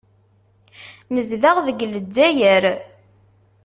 Nezdeɣ deg Lezzayer.